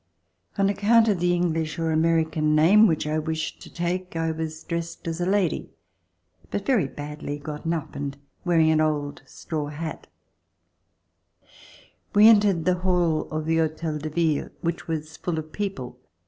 On account of the English or American name which I wished to take, I was dressed as a lady, but very [ 173 ] RECOLLECTIONS OF THE REVOLUTION badly gotten up and wearing an old straw hat. We entered the hall of the Hotel de Ville which was full of people.